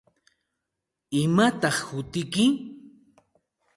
¿Imataq hutiyki?